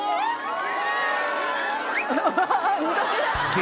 誰？